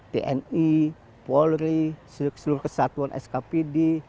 tni polri seluruh kesatuan skpd